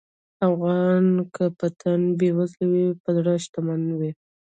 افغان که په تن بېوزله وي، په زړه شتمن وي.